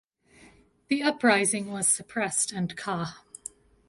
The Uprising was suppressed and ca.